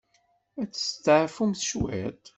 Ad testeɛfumt cwit?